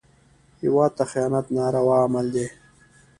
هېواد ته خیانت ناروا عمل دی